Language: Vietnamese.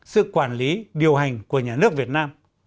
sự quản lý điều hành của nhà nước việt nam